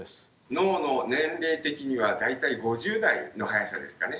脳の年齢的には大体５０代の速さですかね。